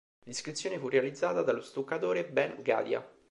L'iscrizione fu realizzata dallo stuccatore Ben-Gadya.